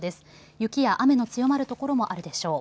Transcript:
雪や雨の強まる所もあるでしょう。